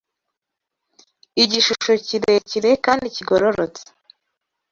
Igishusho kirekire kandi kigororotse